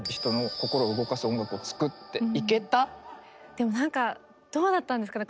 でもなんかどうだったんですかね。